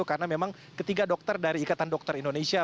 karena memang ketiga dokter dari ikatan dokter indonesia